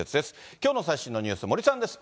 きょうの最新のニュース、森さんです。